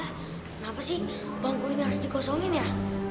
kenapa sih bangku ini harus dikosongin ya